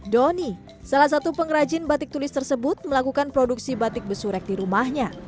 doni salah satu pengrajin batik tulis tersebut melakukan produksi batik besurek di rumahnya